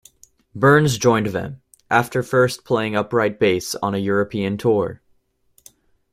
Burns joined them, after first playing upright bass on a European tour.